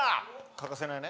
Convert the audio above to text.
欠かせないね。